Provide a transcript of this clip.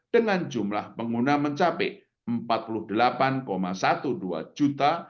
dengan jumlah pengguna mencapai empat puluh delapan dua belas juta